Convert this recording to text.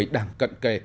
đang cận kề